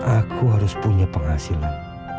aku harus punya penghasilan